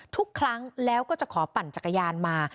ทุกครั้งแล้วก็จะขอปั่นจักรยานมา